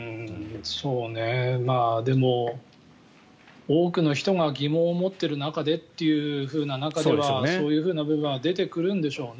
でも、多くの人が疑問を持っている中でっていう中ではそういうふうな部分は出てくるんでしょうね。